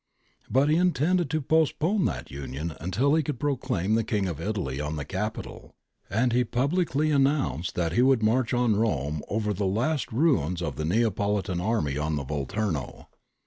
^ But he intended to postpone that union until he could proclaim the King of Italy on the Capitol, and he publicly announced that he would march on Rome over the last ruins of the Neapoli tan army on the Volturno.